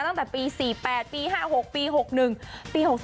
ตั้งแต่ปี๔๘ปี๕๖ปี๖๑ปี๖๓